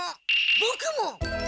ボクも。